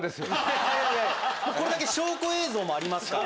これだけ証拠映像もありますから。